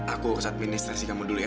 aku ke administrasi kamu dulu ya